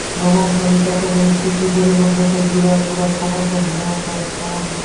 লবণ, পানি, কাঁচা মরিচ কুচি পরিমাণমতো, জিরার গুঁড়া সামান্য, ধনেপাতা সামান্য।